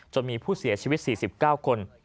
มีผู้เสียชีวิต๔๙คน